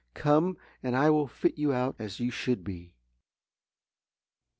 Come, and I will fit you out as you should be."